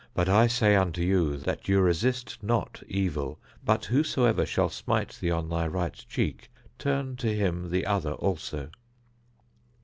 But I say unto you, that ye resist not evil, but whosoever shall smite thee on thy right cheek, turn to him the other also."